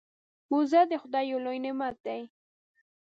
وزې د خدای یو لوی نعمت دی